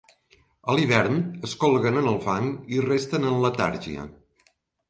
A l'hivern es colguen en el fang i resten en letargia.